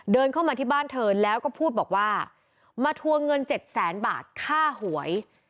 เดินเข้ามาที่บ้านเธอแล้วก็พูดบอกว่ามาทวงเงินเจ็ดแสนบาทค่าหวย